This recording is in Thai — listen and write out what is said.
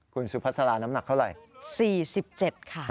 คุณสุภาษาน้ำหนักเท่าไหร่๔๗ค่ะ